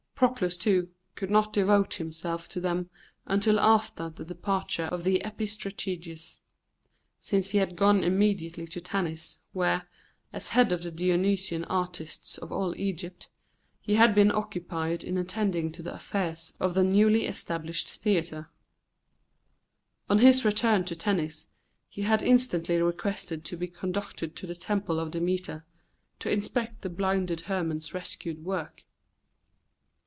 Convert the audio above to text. Proclus, too, could not devote himself to them until after the departure of the epistrategus, since he had gone immediately to Tanis, where, as head of the Dionysian artists of all Egypt, he had been occupied in attending to the affairs of the newly established theatre. On his return to Tennis he had instantly requested to be conducted to the Temple of Demeter, to inspect the blinded Hermon's rescued work.